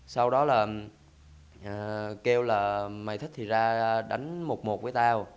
sau đó là kêu là mày thích thì ra đánh một một với tao